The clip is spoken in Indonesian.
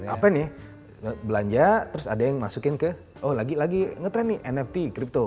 apa nih belanja terus ada yang masukin ke oh lagi lagi ngetrend nih nft crypto